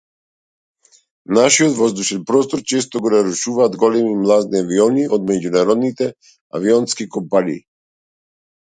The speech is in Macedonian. Нашиот воздушен простор често го нарушуваат големи млазни авиони од меѓународните авионски компании.